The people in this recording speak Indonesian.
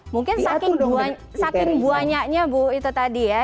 mungkin saking buanyanya itu tadi ya